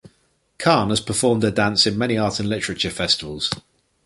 Khan has performed her dance in many art and literature festivals.